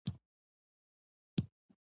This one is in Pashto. پښتو ژبه په لوستلو کې فشار نه راوړي.